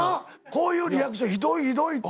こういうリアクション「ひどいひどい」って。